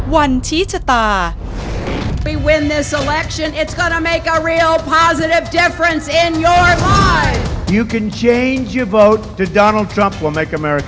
วันชี้ชะตา